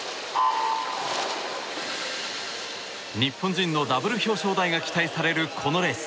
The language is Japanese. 日本人のダブル表彰台が期待される、このレース。